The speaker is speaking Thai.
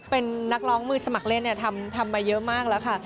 เป็นนักร้องมือสมัครเล่นทำมาเยอะมากแล้วค่ะ